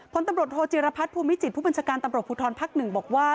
พลตำรวจโทจิรพัฒน์ภูมิจิตผู้บัญชาการตำรวจภูทรภักดิ์๑บอกว่า